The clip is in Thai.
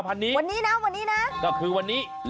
วันนี้นะวันนี้นะ